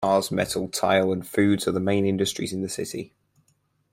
Cars, metal, tile, and foods are the main industries in the city.